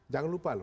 jangan lupa loh